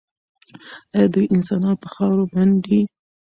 ایا دوی انسانان په خاورو منډي؟